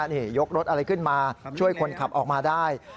นี่ยกรถอะไรขึ้นมาช่วยคนขับออกมาได้